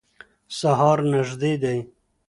سهار نږدې دی.